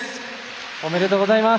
おめでとうございます。